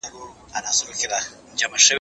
تا چي ول بالا به ته پوه سې باره هيڅ دي ونه پوهېدل